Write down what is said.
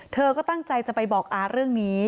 เธอก็ตั้งใจจะไปบอกอาเรื่องนี้